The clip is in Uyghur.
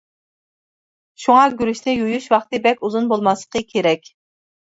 شۇڭا گۈرۈچنى يۇيۇش ۋاقتى بەك ئۇزۇن بولماسلىقى كېرەك.